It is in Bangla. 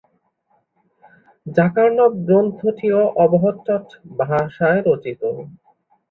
ডাকার্ণব গ্রন্থটিও অবহট্ঠ ভাষায় রচিত।